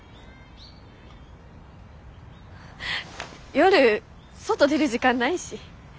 夜外出る時間ないし。